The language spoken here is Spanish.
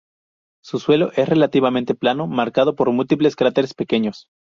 Su suelo es relativamente plano, marcado por múltiples cráteres pequeños.